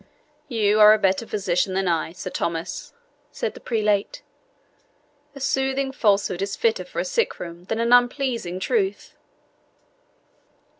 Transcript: "You are a better physician than I, Sir Thomas," said the prelate "a soothing falsehood is fitter for a sick room than an unpleasing truth."